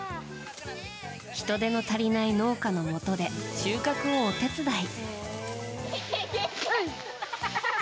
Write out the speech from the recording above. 人手の足りない農家のもとで収穫をお手伝い。